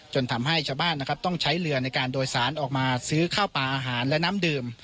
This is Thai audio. จนทำให้ชะบ้านต้องใช้เรือนโดยศาลออกมาซื้อข้าวปลาอาหารว่างดื่ม